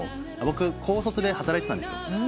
僕高卒で働いてたんですよ。